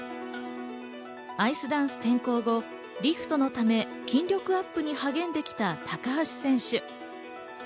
アイスダンス転向後、リフトのため筋力アップに励んできた高橋選手。